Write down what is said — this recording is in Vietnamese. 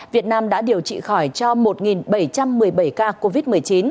việt nam đã điều trị khỏi cho một bảy trăm một mươi bảy ca covid một mươi chín